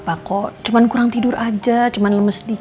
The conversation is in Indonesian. aku mau rawat oman dulu